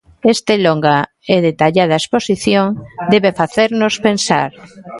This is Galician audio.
Este longa e detallada exposición debe facernos pensar.